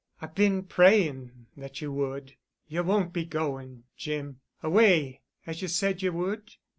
"I've been praying that you would—you won't be going, Jim—away—as you said you would?"